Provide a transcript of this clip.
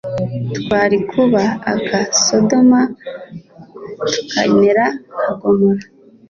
twari kuba aka sodoma, tukamera nka gomora